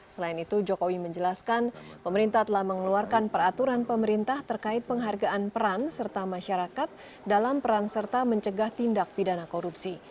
selain itu jokowi menjelaskan pemerintah telah mengeluarkan peraturan pemerintah terkait penghargaan peran serta masyarakat dalam peran serta mencegah tindak pidana korupsi